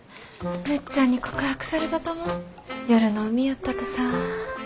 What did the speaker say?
むっちゃんに告白されたとも夜の海やったとさ。